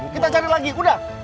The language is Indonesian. kita cari lagi ya